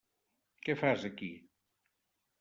Què fas aquí?